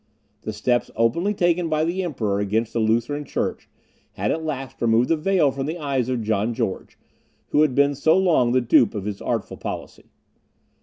The steps openly taken by the Emperor against the Lutheran church, had at last removed the veil from the eyes of John George, who had been so long the dupe of his artful policy.